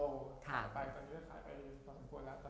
ตอนนี้ก็ถ่ายไปส่วนควรแล้ว